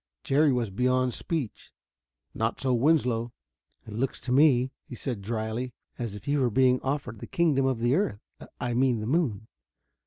Jerry was beyond speech. Not so Winslow. "It looks to me," he said dryly, "as if you were being offered the kingdom of the earth I mean the moon.